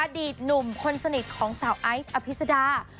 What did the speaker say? อดีตหนุ่มคนสนิทของสาวไอซ์อภิษดา